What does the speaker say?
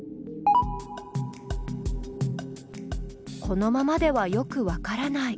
このままではよくわからない。